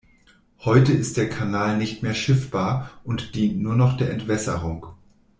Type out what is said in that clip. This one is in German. Heute ist der Kanal nicht mehr schiffbar und dient nur noch der Entwässerung.